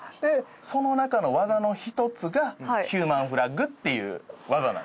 その中の技の１つがヒューマンフラッグっていう技なんですね。